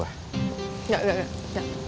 enggak enggak enggak